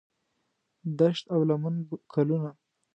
دښت او لمن ګلونه